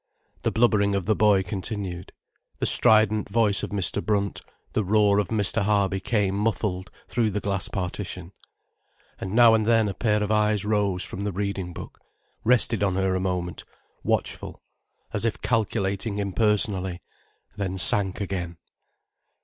The blubbering of the boy continued. The strident voice of Mr. Brunt, the roar of Mr. Harby, came muffled through the glass partition. And now and then a pair of eyes rose from the reading book, rested on her a moment, watchful, as if calculating impersonally, then sank again.